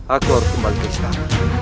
aku harus kembali ke islam